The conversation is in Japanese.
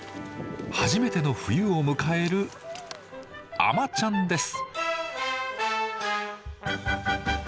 初めての冬を迎える海女ちゃんです。